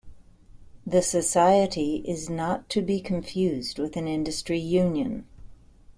The society is not to be confused with an industry union.